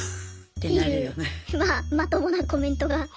っていうまあまともなコメントが。